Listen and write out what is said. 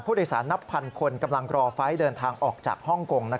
ผู้โดยสารนับพันคนกำลังรอไฟล์เดินทางออกจากฮ่องกง